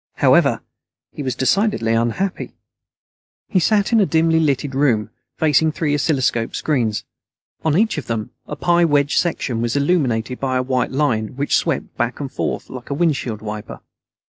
However, he was decidedly unhappy. He sat in a dimly lighted room, facing three oscilloscope screens. On each of them a pie wedge section was illuminated by a white line which swept back and forth like a windshield wiper.